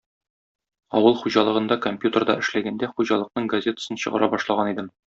Авыл хуҗалыгында компьютерда эшләгәндә хуҗалыкның газетасын чыгара башлаган идем.